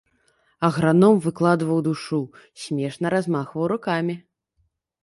Аграном выкладваў душу, смешна размахваў рукамі.